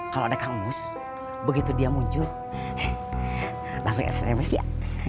kalau ada kamus begitu dia muncul langsung sms ya